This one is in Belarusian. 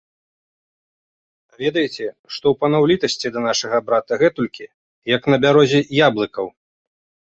А ведаеце, што ў паноў літасці да нашага брата гэтулькі, як на бярозе яблыкаў.